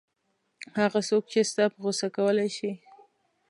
هغه څوک چې تا په غوسه کولای شي.